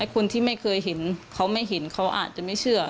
คนที่ไม่เคยเห็นเขาไม่เห็นเขาอาจจะไม่เชื่อ